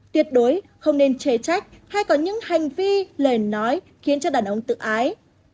tuyệt đối không nên chê trách hay có những hành vi lời nói khiến cho đàn ông tự ái